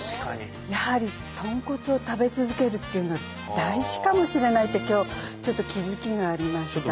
やはり豚骨を食べ続けるっていうのは大事かもしれないって今日ちょっと気付きがありました。